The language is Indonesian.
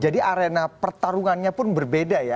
jadi arena pertarungannya pun berbeda ya